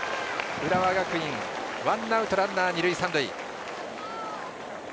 浦和学院ワンアウト、ランナー、二塁三塁。